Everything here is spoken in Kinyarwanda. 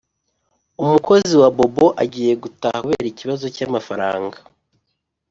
Umukozi wa bobo agiye gutaha kubera ikibazo cyamafaranga